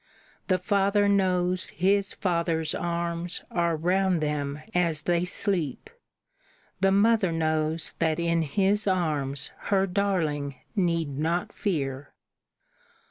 The father knows his Father's arms are round them as they sleep; The mother knows that in His arms her darling need not fear.